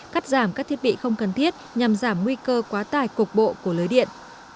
cắt giảm các thiết bị không cần thiết nhằm giảm nguy cơ quá tải cục bộ của lưới điện